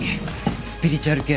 スピリチュアル系？